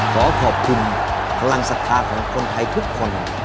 ขอขอบคุณพลังสัตว์ภาพของคนไทยทุกคน